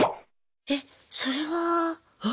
えっそれはん？